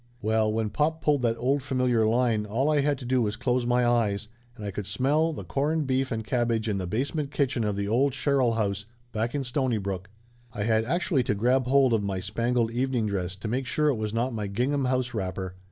Well, when pop pulled that old familiar line all I had to do was close my eyes and I could smell the corned beef and cabbage in the basement kitchen of the old Sherrill house back in Stonybrook. I had actually to grab hold of my spangled evening dress to make sure it was not my gingham house wrapper.